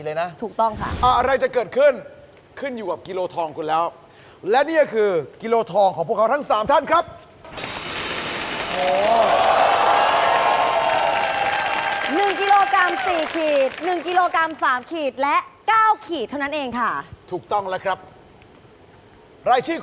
โอ้ยนี่เดี๋ยวว่าแต่อังแล้วนี่เป็นโอ่งแล้วเนี่ย